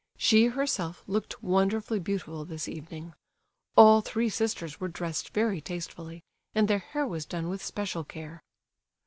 She herself looked wonderfully beautiful this evening. All three sisters were dressed very tastefully, and their hair was done with special care.